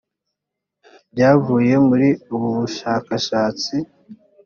byavuye muri ubu bushakashatsi